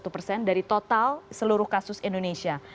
satu persen dari total seluruh kasus indonesia